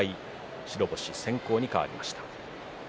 白星先行に変わりました。